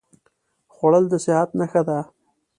خوړل د صحت نښه ده